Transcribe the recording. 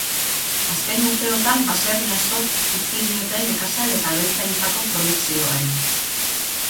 Azken urteotan baserri askok utzi diote nekazal eta abeltzaintzako produkzioari.